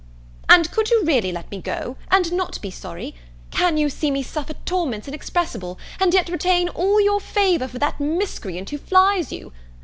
"And could you really let me go, and not be sorry? Can you see me suffer torments inexpressible, and yet retain all your favour for that miscreant who flies you?